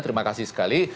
terima kasih sekali